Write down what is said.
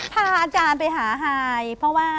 พาอาจารย์ไปหาฮายเพราะว่า